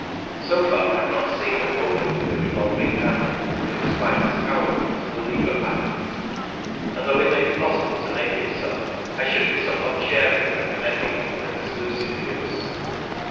So far I have not seen a Bowden with a revolving handle that was quite as powerful as the lever patterns, and though it may be possible to make it so, I should be somewhat chary of recommend ing it for exclusive use.